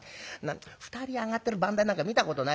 ２人上がってる番台なんか見たことないでしょ。